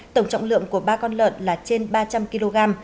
tổng trọng lượng của ba con lợn là trên ba trăm linh kg